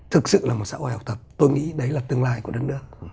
thực sự là một xã hội học tập tôi nghĩ đấy là tương lai của đất nước